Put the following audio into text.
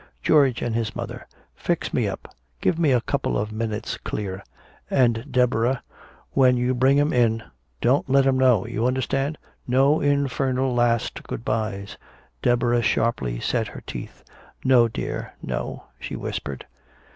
"George and his mother. Fix me up give me a couple of minutes clear. And Deborah when you bring 'em in don't let 'em know. You understand? No infernal last good byes!" Deborah sharply set her teeth. "No, dear, no," she whispered.